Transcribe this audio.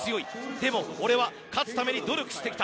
でも、俺は勝つために努力してきた。